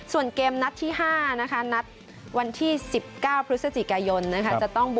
ส่วนเกมนัดที่ห้ารักนะงั้นวันที่สิบเก้าพฤศจิกายน